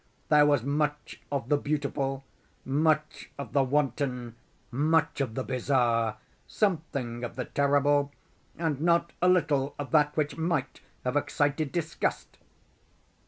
There was much of the beautiful, much of the wanton, much of the bizarre, something of the terrible, and not a little of that which might have excited disgust.